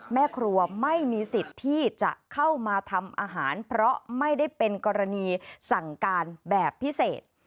แม่ครัวไม่มีสิทธิ์ที่จะเข้ามาทำอาหารเพราะไม่ได้เป็นกรณีสั่งการแบบพิเศษ